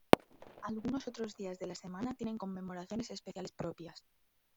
Algunos otros días de la semana tienen conmemoraciones especiales propias.